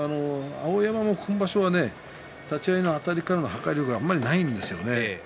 碧山も今場所は立ち合いのあたりからの破壊力があまりないですよね。